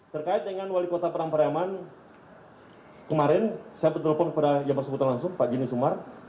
terkait dengan wali kota pariaman kemarin saya bertelpon kepada yang bersebutan langsung pak jenius umar